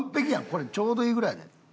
これちょうどいいぐらいやで。